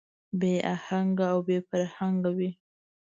بې اهنګه او بې فرهنګه وي.